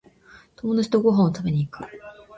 友達とご飯を食べに行く